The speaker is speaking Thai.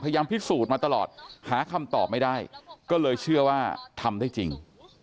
พิสูจน์มาตลอดหาคำตอบไม่ได้ก็เลยเชื่อว่าทำได้จริง